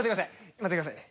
待ってくださいね。